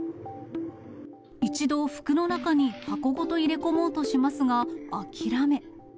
一度、服の中に箱ごと入れ込もうとしますが、諦め。